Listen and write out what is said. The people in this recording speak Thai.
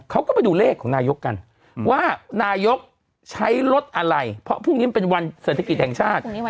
เขาก็ไปดูเลขของนายกกันว่านายกใช้รถอะไรเพราะพรุ่งนี้มันเป็นวันเศรษฐกิจแห่งชาติ